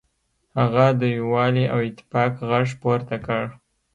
هغه د یووالي او اتفاق غږ پورته کړ.